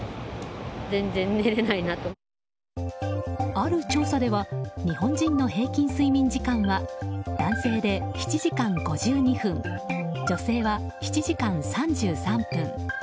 ある調査では日本人の平均睡眠時間は男性で７時間５２分女性は７時間３３分。